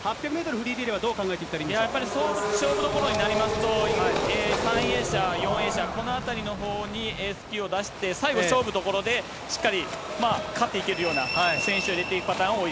フリーリレーは、どう考えていったらいいんやっぱり勝負どころになりますと、３泳者、４泳者このあたりのほうにエース級を出して、最後、勝負どころでしっかり勝っていけるような選手を入れていくパター